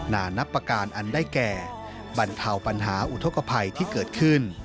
นานับประการอันได้แก่บรรเทาปัญหาอุทธกภัยที่เกิดขึ้น